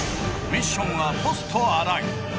ミッションはポスト新井。